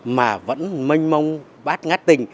mà vẫn mênh mông bác ngát tình